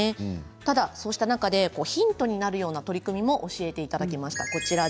ただ、そうした中でヒントになるような取り組みも教えていただきました。